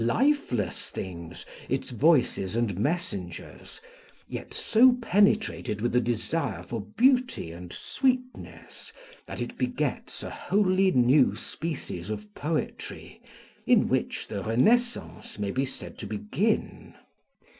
lifeless things, its voices and messengers, yet so penetrated with the desire for beauty and sweetness, that it begets a wholly new species of poetry, in which the Renaissance may be said to begin.